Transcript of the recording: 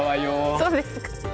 そうですか？